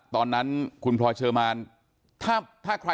ลองฟังเสียงช่วงนี้ดูค่ะ